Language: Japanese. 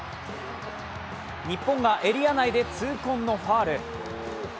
日本がエリア内で痛恨のファウル。